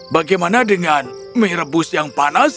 bagaimana dengan mie rebus yang panas